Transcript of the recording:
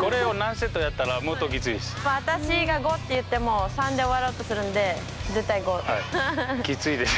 これを何セットやったら、私が５って言っても、３で終きついです。